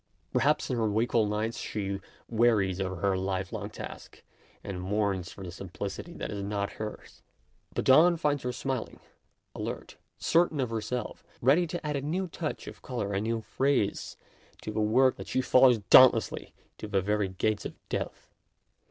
Perhaps in her wakeful nights she wearies of her life long task, and mourns for the simplicity that is not hers. But dawn finds her smiling, alert, certain of herself, ready to add a new touch of colour, a new phrase, to the work that she follows daunt lessly to the very gates of death.